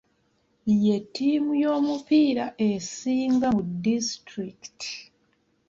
Ye ttiimu y'omupiira esinga mu disitulikiti.